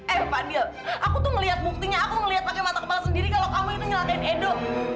eh fadhil aku tuh ngeliat buktinya aku ngeliat pake mata kepala sendiri kalo kamu itu nyelakain ido